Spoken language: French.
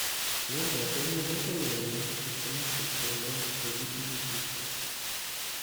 Lors de la période napoléonienne, le commerce extérieur est quasi inexistant.